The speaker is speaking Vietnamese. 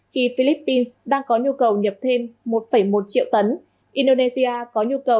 khi philippines đang có nhu cầu nhập thêm một một triệu tấn indonesia có nhu cầu